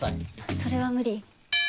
それは無理。